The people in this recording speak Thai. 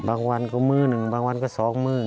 บางวันก็มื้อหนึ่งบางวันก็๒มื้อ